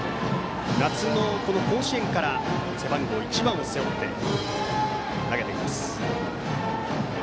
夏の甲子園から背番号１番を背負って投げています。